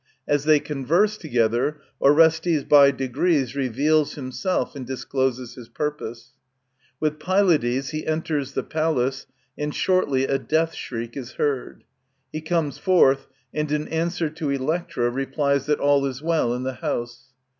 As they converse together Orestes by degrees reveals himself and discloses his purpose. With Pylades he enters the palace, and shortly a death shriek is heard. He comes Jorth, and in answer to Electra replies that all is well in the house.